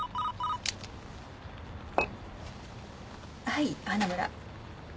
はい花村。